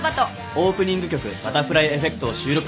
オープニング曲『バタフライエフェクト』を収録した。